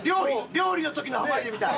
料理の時の濱家みたい。